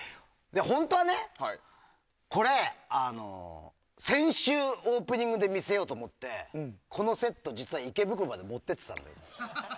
本当はね、これ先週オープニングで見せようと思ってこのセット、実は池袋まで持って行ってたの。